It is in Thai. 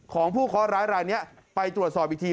ของผู้ขอร้ายนี้ไปตรวจสอบอีกที